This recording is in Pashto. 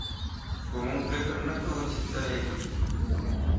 خو موږ فکر نه کوو چې تللی به وي.